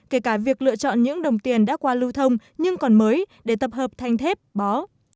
kể cả việc lựa chọn những đồng tiền đã qua lưu thông nhưng còn mới để tập hợp thanh thép bó